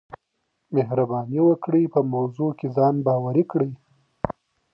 مهرباني وکړئ په موضوع کي ځان باوري کړئ.